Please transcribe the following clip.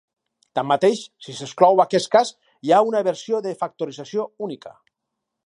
Tanmateix, si s'exclou aquest cas, hi ha una versió de factorització única.